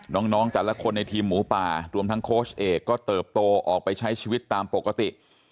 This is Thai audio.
น้องแต่ละคนในทีมหมูป่ารวมทั้งโค้ชเอกก็เติบโตออกไปใช้ชีวิตตามปกติ